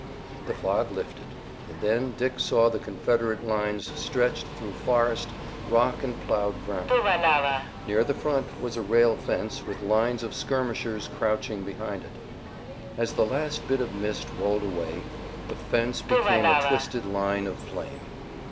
The fog lifted, and then Dick saw the Confederate lines stretched through forest, rock and ploughed ground. Near the front was a rail fence with lines of skirmishers crouching behind it. As the last bit of mist rolled away the fence became a twisted line of flame.